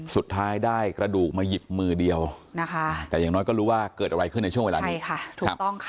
สุดท้ายได้กระดูกมาหยิบมือเดียวแต่อย่างน้อยก็รู้ว่าเกิดอะไรขึ้นในช่วงเวลานี้